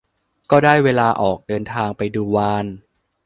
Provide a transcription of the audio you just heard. ก็ได้เวลาออกเดินทางไปดูวาฬ